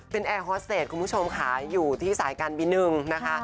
เป็นแอร์ฮอสเตจคุณผู้ชมค่ะอยู่ที่สายการบินหนึ่งนะคะ